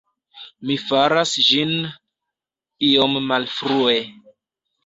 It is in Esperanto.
Mi faras ĝin iom malfrue.